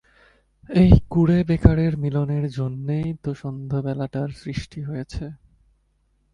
এই কুঁড়ে-বেকারের মিলনের জন্যেই তো সন্ধেবেলাটার সৃষ্টি হয়েছে।